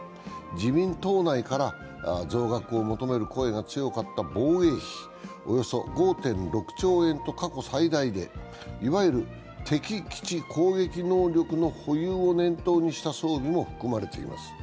自民党内から増額を求める声が強かった防衛費、およそ５．６兆円と過去最大でいわゆる敵基地攻撃能力の保有を念頭にした装備も含まれています。